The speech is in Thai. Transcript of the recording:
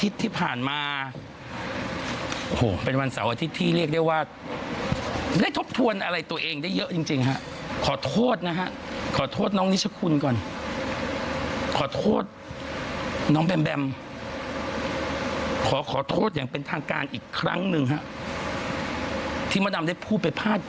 ทำวิธีกรมานานเนาะ